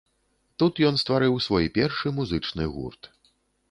Тут ён стварыў свой першы музычны гурт.